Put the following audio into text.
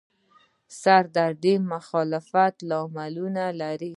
سر درد مختلف لاملونه لري